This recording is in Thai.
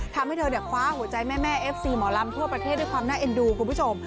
ทำให้เธอคว้าหัวใจแม่เอฟซีหมอลำทั่วประเทศด้วยความน่าเอ็นดูคุณผู้ชม